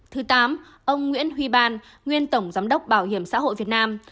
thứ tám ông nguyễn huy ban nguyên tổng giám đốc bảo hiểm xã hội việt nam